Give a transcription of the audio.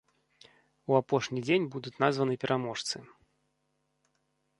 У апошні дзень будуць названыя пераможцы.